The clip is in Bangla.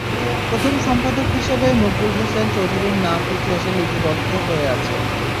প্রথম সম্পাদক হিসেবে মকবুল হোসেন চৌধুরীর নাম ইতিহাসে লিপিবদ্ধ হয়ে আছে।